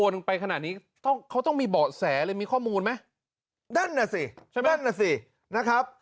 นั่นน่ะสิใช่มั้ยนั่นน่ะสินะครับ